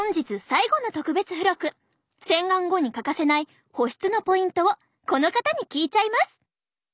洗顔後に欠かせない保湿のポイントをこの方に聞いちゃいます。